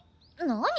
何？